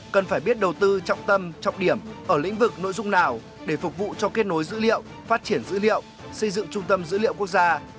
cần phải biết đầu tư trọng tâm trọng điểm ở lĩnh vực nội dung nào để phục vụ cho kết nối dữ liệu phát triển dữ liệu xây dựng trung tâm dữ liệu quốc gia